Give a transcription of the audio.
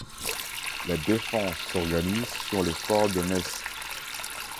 La défense s’organise sur les forts de Metz.